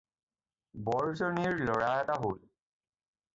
বৰজনীৰ ল'ৰা এটি হ'ল।